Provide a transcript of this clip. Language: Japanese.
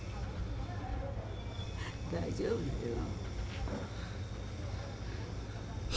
大丈夫よ。